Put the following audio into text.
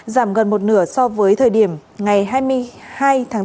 giảm gần một nửa so với thời điểm ngày hai mươi hai tháng bốn